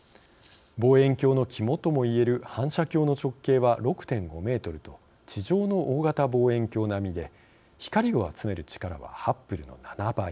望遠鏡の肝ともいえる反射鏡の直径は６．５メートルと地上の大型望遠鏡並みで光を集める力はハッブルの７倍。